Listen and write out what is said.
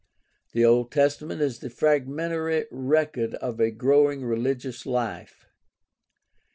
The Old Testament is the fragmentary record of a growing religious life.